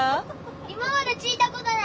今まで聞いたことない。